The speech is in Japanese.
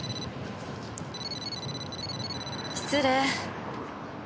失礼。